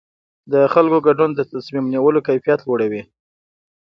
د خلکو ګډون د تصمیم نیولو کیفیت لوړوي